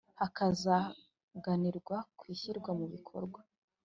Hakazaganirwa ku ishyirwa mu bikorwa